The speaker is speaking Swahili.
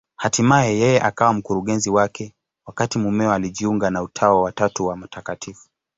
Hatimaye yeye akawa mkurugenzi wake, wakati mumewe alijiunga na Utawa wa Tatu wa Mt.